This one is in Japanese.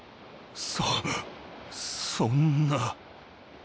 そ、そんな。